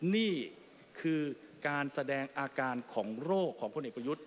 นี่คือการแสดงอาการของโรคของพลเอกประยุทธ์